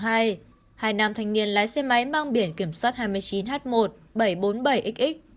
hai nam thanh niên lái xe máy mang biển kiểm soát hai mươi chín h một bảy trăm bốn mươi bảy x